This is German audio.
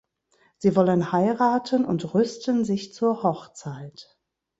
Sie wollen heiraten und rüsten sich zur Hochzeit.